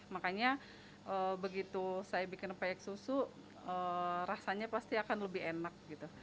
makanya begitu saya bikin peyek susu rasanya pasti akan lebih enak gitu